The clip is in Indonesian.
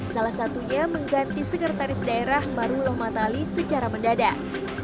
salah satunya mengganti sekretaris daerah maruloh matali secara mendadak